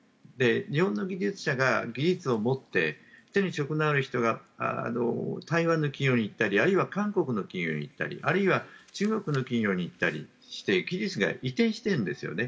日本の技術者が技術を持って手に職のある人が台湾の企業に行ったりあるいは韓国の企業に行ったりあるいは中国の企業に行ったりして技術が移転しているんですよね。